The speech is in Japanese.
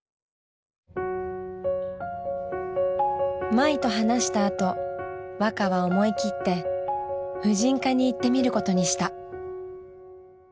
まいと話したあとわかは思い切って婦人科に行ってみることにした。